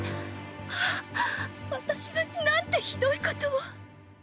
ああっ私はなんてひどいことを。